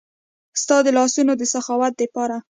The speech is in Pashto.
ستا د لاسونو د سخاوت د پاره